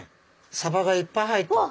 サバがいっぱい入ってる。